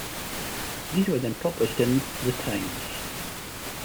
These were then published in "The Times".